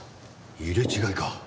入れ違いか。